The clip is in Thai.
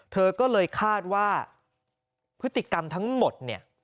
เธอก็เลยคาดว่าพฤติกรรมทั้งหมดเนี่ย